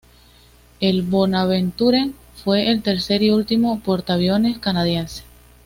El "Bonaventure" fue el tercer y último portaaviones canadiense.